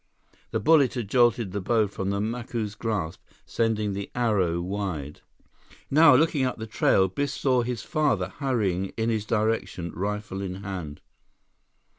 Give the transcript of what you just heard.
The bullet had jolted the bow from the Macu's grasp, sending the arrow wide. Now, looking up the trail, Biff saw his father hurrying in his direction, rifle in hand.